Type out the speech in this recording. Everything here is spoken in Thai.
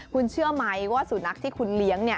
คุณเชื่อไหมว่าสุนัขที่คุณเลี้ยง